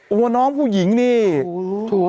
โอ้วน้องผู้หญิงเนี่ย